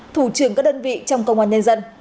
thủ trưởng các đơn vị trong công an nhân dân